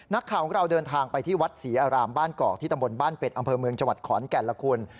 นักข่าวของเราเดินทางไปที่วัดศรีอารามบ้านกอกที่ตำบลบ้านเป็ดอำเภอเมืองจังหวัดขอนแก่นละคุณ